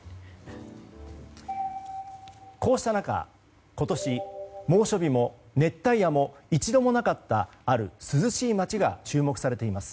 こうした中今年、猛暑日も熱帯夜も一度もなかった、ある涼しい街が注目されています。